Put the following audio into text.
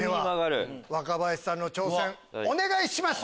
若林さんの挑戦お願いします。